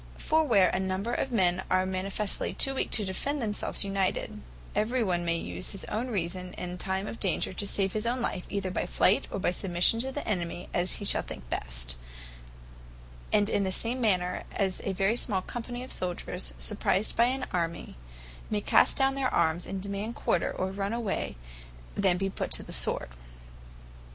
For where a number of men are manifestly too weak to defend themselves united, every one may use his own reason in time of danger, to save his own life, either by flight, or by submission to the enemy, as hee shall think best; in the same manner as a very small company of souldiers, surprised by an army, may cast down their armes, and demand quarter, or run away, rather than be put to the sword.